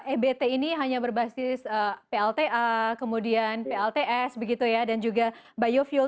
ebt ini hanya berbasis plta kemudian plts begitu ya dan juga biofuel